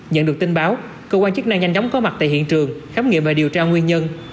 nhận được tin báo cơ quan chức năng nhanh chóng có mặt tại hiện trường khám nghiệm và điều tra nguyên nhân